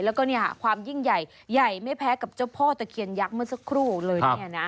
แล้วก็เนี่ยความยิ่งใหญ่ใหญ่ไม่แพ้กับเจ้าพ่อตะเคียนยักษ์เมื่อสักครู่เลยเนี่ยนะ